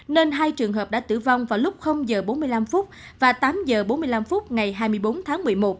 nên hai trường hợp đã tử vong vào lúc giờ bốn mươi năm và tám h bốn mươi năm phút ngày hai mươi bốn tháng một mươi một